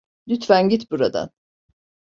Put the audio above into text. Lütfen git buradan.